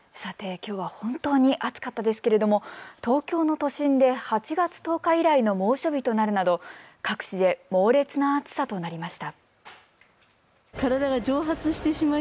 きょうは本当に暑かったですけれども東京の都心で８月１０日以来の猛暑日となるなど各地で猛烈な暑さとなりました。